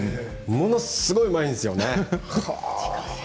ものすごいうまいんですよね。